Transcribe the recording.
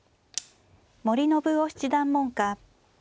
森信雄七段門下。